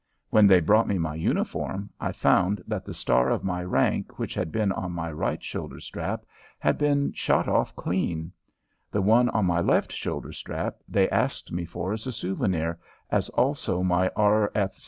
When they brought me my uniform I found that the star of my rank which had been on my right shoulder strap had been shot off clean. The one on my left shoulder strap they asked me for as a souvenir, as also my R.